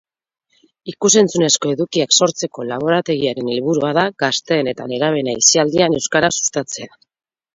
Ikus-entzunezko edukiak sortzeko laborategiaren helburua da gazteen eta nerabeen aisialdian euskara sustatzea.